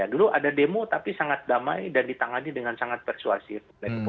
dulu ada demo tapi sangat damai dan ditangani dengan sangat persuasif